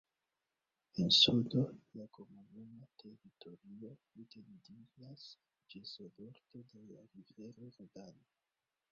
En sudo la komunuma teritorio etendiĝas ĝis la bordo de la rivero Rodano.